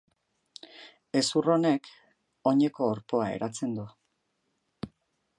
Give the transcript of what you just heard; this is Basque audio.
Hezur honek, oineko orpoa eratzen du.